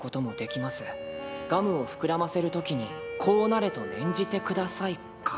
ガムを膨らませる時に『こうなれ！』と念じてください」か。